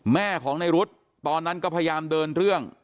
แม่ของในรุ๊ดตอนนั้นก็พยายามเดินเรื่อง